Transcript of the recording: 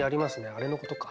あれのことか。